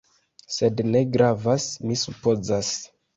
Sed ne gravas, mi supozas.